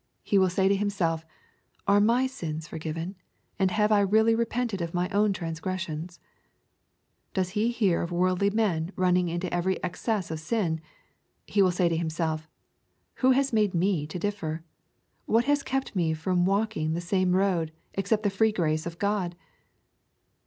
He will say to oimself, "Are my sins forgiven ? and have I really re pented of my own transgressions ?"— Does he hear of worldly men running into every excess of sin ? He will say to himself, " Who has made me to differ ? What has kept me from walking in the same road, except the free grace of God